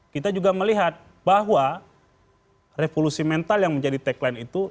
kita juga melihat bahwa revolusi mental yang menjadi tagline itu